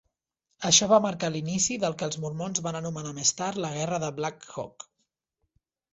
Això va marcar l'inici del què els Mormons van anomenar més tard "la Guerra de Black Hawk".